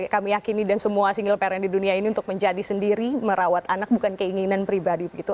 kami yakini dan semua single parent di dunia ini untuk menjadi sendiri merawat anak bukan keinginan pribadi begitu